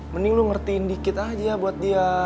mending lu ngertiin dikit aja buat dia